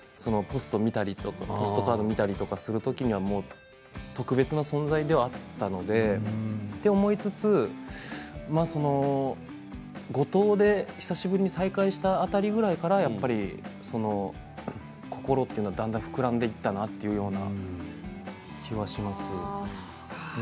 ポストカード見たりとかする時には特別な存在ではあったのでというふうに思いつつ五島で久しぶりに再会した辺りぐらいからやっぱり心というのはだんだん膨らんでいったなということは気はしますね。